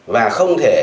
và không thể